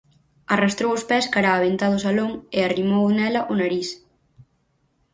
Arrastrou os pés cara a ventá do salón e arrimou nela o nariz.